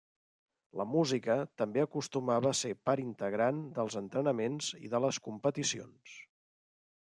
La música també acostumava a ser part integrant dels entrenaments i de les competicions.